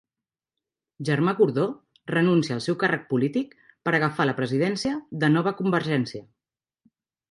Germà Gordó renuncia al seu càrrec polític per agafar la presidència de Nova convergència